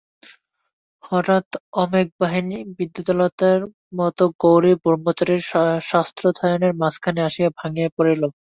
হঠাৎ অমেঘবাহিনী বিদ্যুল্লতার মতো গৌরী ব্রহ্মচারীর শাস্ত্রাধ্যয়নের মাঝখানে আসিয়া ভাঙিয়া পড়িল।